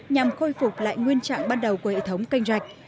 nhằm khôi phục lại nguyên trạng ban đầu của hệ thống kênh dạch